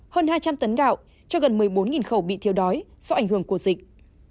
hơn hai trăm linh tấn gạo cho gần một mươi bốn khẩu bị thiếu đói do ảnh hưởng của dịch